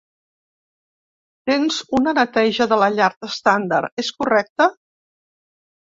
Tens una neteja de la llar estàndard, és correcte?